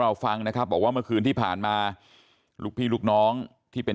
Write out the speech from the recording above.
ฟังนะครับบอกว่าเมื่อคืนที่ผ่านมาลูกพี่ลูกน้องที่เป็น